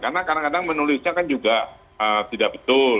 karena kadang kadang menulisnya kan juga tidak betul